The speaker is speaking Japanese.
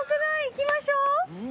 行きましょう。